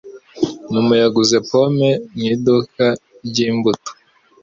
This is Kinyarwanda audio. Mama yaguze pome mu iduka ryimbuto.